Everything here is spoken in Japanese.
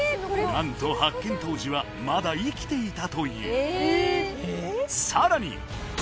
何と発見当時はまだ生きていたというさらに！